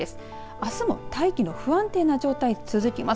あすも大気の不安定な状態続きます。